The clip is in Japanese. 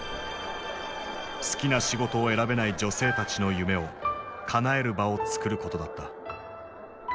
好きな仕事を選べない女性たちの夢をかなえる場をつくることだった。